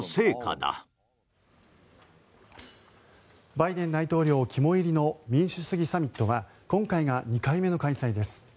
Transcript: バイデン大統領肝煎りの民主主義サミットは今回が２回目の開催です。